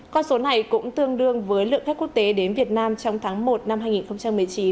con số này cũng tương đương với lượng khách quốc tế đến việt nam trong tháng một năm hai nghìn một mươi chín